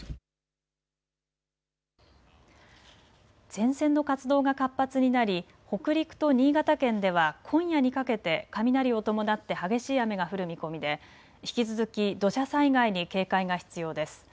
前線の活動が活発になり北陸と新潟県では今夜にかけて雷を伴って激しい雨が降る見込みで引き続き土砂災害に警戒が必要です。